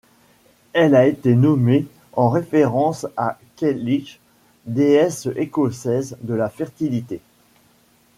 Elle a été nommée en référence à Cailleach, déesse écossaise de la fertilité.